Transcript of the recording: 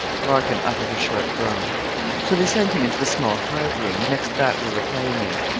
Larkin uttered a short groan. 'So they sent him into the small card room, next that we were playing in.